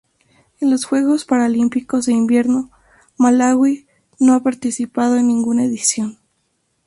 En los Juegos Paralímpicos de Invierno Malaui no ha participado en ninguna edición.